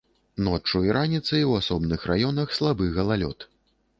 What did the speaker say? Ноччу і раніцай у асобных раёнах слабы галалёд.